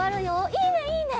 いいねいいね！